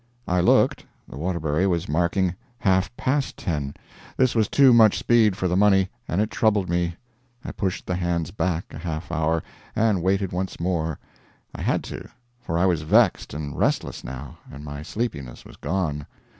I looked the Waterbury was marking half past 10. This was too much speed for the money, and it troubled me. I pushed the hands back a half hour, and waited once more; I had to, for I was vexed and restless now, and my sleepiness was gone.